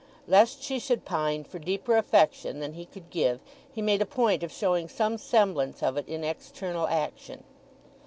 Lest she should pine for deeper affection than he could give he made a point of showing some semblance of it in external action.